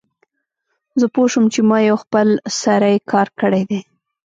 زه پوه شوم چې ما یو خپل سری کار کړی دی